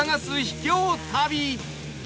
秘境旅